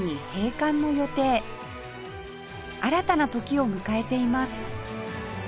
新たな時を迎えています